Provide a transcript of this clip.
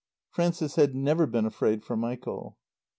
Frances had never been afraid for Michael.